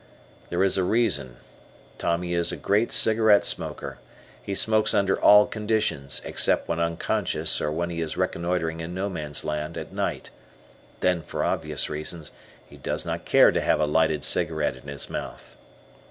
There is a reason. Tommy is a great cigarette smoker. He smokes under all conditions, except when unconscious or when he is reconnoitering in No Man's Land at night. Then, for obvious reasons, he does not care to have a lighted cigarette in his mouth.